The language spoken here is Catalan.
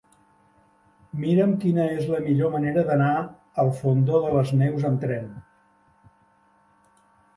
Mira'm quina és la millor manera d'anar al Fondó de les Neus amb tren.